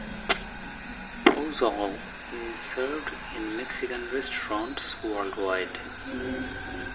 Pozole is served in Mexican restaurants worldwide.